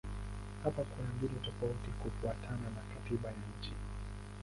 Hapa kuna mbinu tofauti kufuatana na katiba ya nchi.